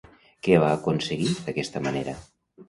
Què va aconseguir d'aquesta manera?